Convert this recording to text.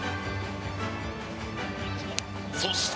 そして。